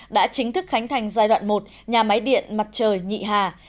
đã chính thức khánh thành giai đoạn một nhà máy điện mặt trời nhị hà